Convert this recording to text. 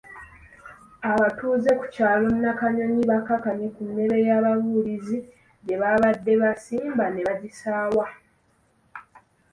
Abatuuze ku kyalo Nakanyonyi bakkakkanye ku mmere y'ababuulizi gye babadde baasimba ne bagisaawa.